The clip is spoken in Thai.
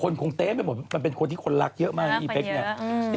คนของเต๊มมันเป็นคนที่คนรักเยอะมากนี่อีเป๊กเนี่ย